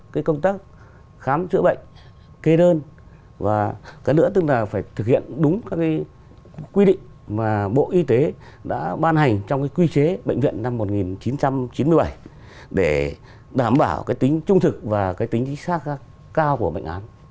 các cơ sở chuyên khoa tâm thần thì phải thực hiện đúng các quy định bộ y tế đã bàn hành trong quy chế bệnh viện năm một nghìn chín trăm chín mươi bảy để đảm bảo tính trung thực và tính chính xác cao của bệnh án